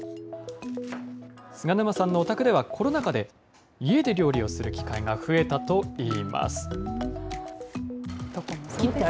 菅沼さんのお宅では、コロナ禍で、家で料理をする機会が増えたといいます。